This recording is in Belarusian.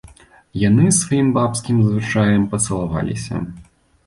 Яны, сваім бабскім звычаем, пацалаваліся.